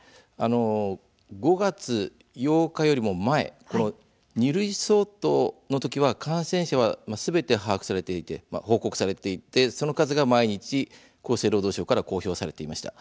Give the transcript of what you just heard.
５月８日より前２類相当の時は感染者数はすべて報告されていてその数が毎日、厚生労働省から公表されていました。